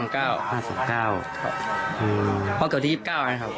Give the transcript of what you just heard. เกี่ยวที่๒๙นะครับ